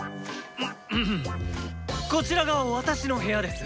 こちらが私の部屋です。